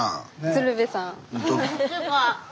鶴瓶さん。